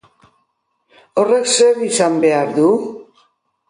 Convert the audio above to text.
Horrek zer izan behar du?